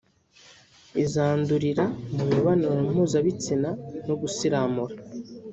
izandurira mu mibonano mpuzabitsina no gusiramura